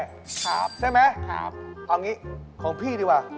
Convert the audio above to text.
ครับครับใช่ไหมเอาอย่างนี้ของพี่ดีกว่า